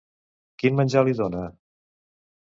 Quin menjar li dona?